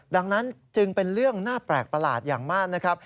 ดังนั้นจึงเป็นเรื่องน่าแปลกประหลาดอย่างมากนะครับ